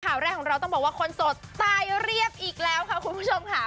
ข่าวแรกของเราต้องบอกว่าคนโสดตายเรียบอีกแล้วค่ะคุณผู้ชมค่ะ